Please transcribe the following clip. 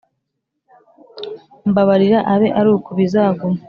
Mbabarira abe aruku bizaguma